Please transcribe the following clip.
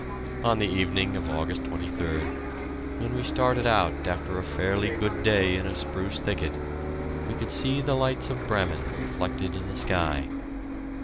On the evening of August 23d, when we started out after a fairly good day in a spruce thicket, we could see the lights of Bremen reflected in the sky.